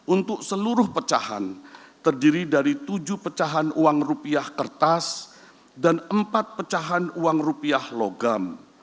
untuk seluruh pecahan terdiri dari tujuh pecahan uang rupiah kertas dan empat pecahan uang rupiah logam